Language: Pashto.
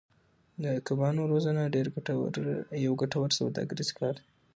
د کبانو روزنه یو ګټور سوداګریز کار دی.